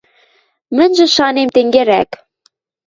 Мӹньжӹ шанем тенгерӓк: